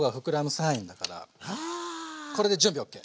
これで準備ＯＫ。